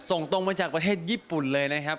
ส่งตรงมาจากประเทศญี่ปุ่นเลยนะครับ